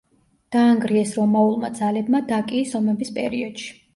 დაანგრიეს რომაულმა ძალებმა დაკიის ომების პერიოდში.